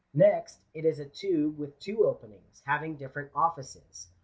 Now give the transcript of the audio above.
Next it is a tube with two openings, having different offices.